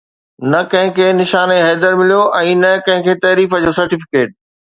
نه ڪنهن کي نشان حيدر مليو ۽ نه ڪنهن کي تعريف جو سرٽيفڪيٽ